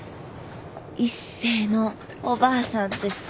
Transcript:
一星のおばあさんですか？